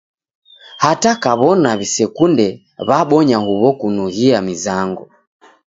Hata kaw'ona w'isekunde w'abonya huw'o kunughjia mizango.